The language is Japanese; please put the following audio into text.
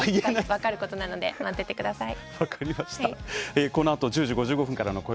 分かることのなので待っていてください。